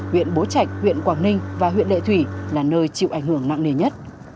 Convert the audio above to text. huyện bố trạch huyện quảng ninh và huyện lệ thủy là nơi chịu ảnh hưởng nặng nề nhất